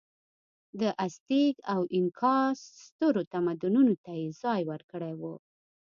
د ازتېک او اینکا سترو تمدنونو ته یې ځای ورکړی و.